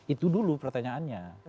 itu dulu pertanyaannya